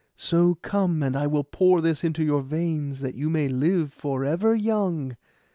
So come, and I will pour this into your veins, that you may live for ever young.